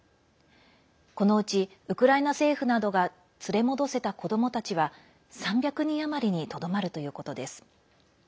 このうちウクライナ政府などが連れ戻せた子どもたちは３００人余りにとどまるということです。